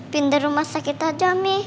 binda rumah sakit aja mi